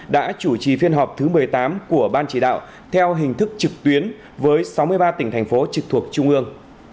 đã chủ trì phiên họp thứ một mươi tám của ban chỉ đạo theo hình thức trực tuyến với sáu mươi ba tỉnh thành phố trực thuộc trung ương